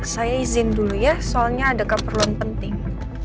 saya izin dulu ya soalnya ada keperluan penting